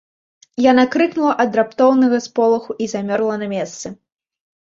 Яна крыкнула ад раптоўнага сполаху і замёрла на месцы.